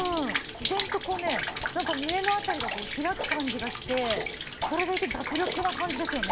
自然とこうねなんか胸の辺りが開く感じがしてそれでいて脱力な感じですよね。